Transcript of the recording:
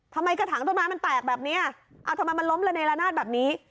กระถางต้นไม้มันแตกแบบนี้ทำไมมันล้มระเนละนาดแบบนี้